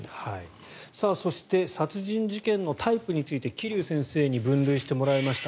そして殺人事件のタイプについて桐生先生に分類してもらいました。